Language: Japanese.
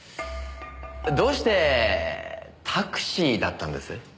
どうしてタクシーだったんです？